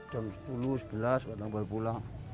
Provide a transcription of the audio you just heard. jam sepuluh sebelas kadang baru pulang